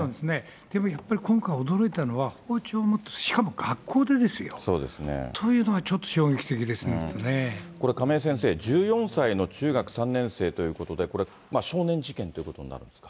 でもやっぱり、今回、驚いたのは、包丁を持って、しかも学校でですよ、というのはちょっと衝撃的でこれ、亀井先生、１４歳の中学３年生ということで、これ少年事件ということになるんですか。